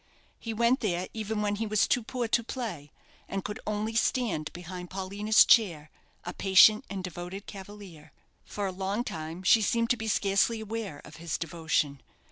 He went there even when he was too poor to play, and could only stand behind Paulina's chair, a patient and devoted cavalier. For a long time she seemed to be scarcely aware of his devotion.